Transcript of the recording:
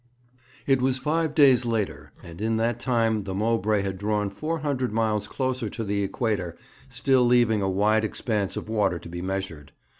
It was five days later, and in that time the Mowbray had drawn four hundred miles closer to the Equator, still leaving a wide expanse of water to be measured.